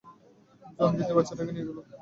জন দ্বিতীয় বাচ্চাটাকে নিয়ে গেল।